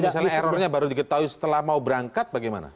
misalnya errornya baru diketahui setelah mau berangkat bagaimana